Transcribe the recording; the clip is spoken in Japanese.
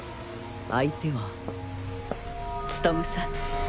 相手は務武さん